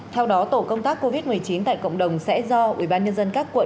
theo đó tổ công tác covid một mươi chín tại cộng đồng sẽ do ủy ban nhân dân các quân